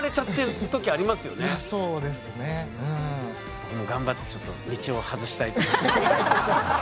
僕も頑張ってちょっと道を外したいと思います。